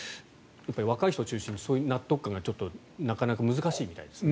若い人を中心にそういう納得感がちょっとなかなか難しいみたいですね。